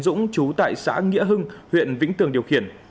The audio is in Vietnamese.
dũng chú tại xã nghĩa hưng huyện vĩnh tường điều khiển